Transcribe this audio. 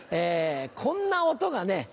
こんな音がね